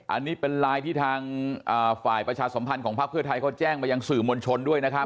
อันนี้เป็นไลน์ที่ทางฝ่ายประชาสมพันธ์ของพักเพื่อไทยเขาแจ้งมายังสื่อมวลชนด้วยนะครับ